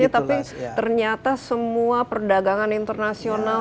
tapi ternyata semua perdagangan internasional